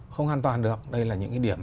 không an toàn được đây là những cái điểm